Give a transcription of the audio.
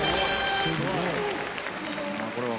すごい。